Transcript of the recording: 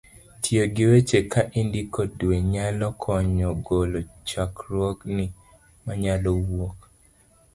tiyo gi weche ka indiko dwe nyalo konyo golo chandruokni manyalo wuok